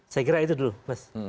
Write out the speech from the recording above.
saya kira itu dulu mas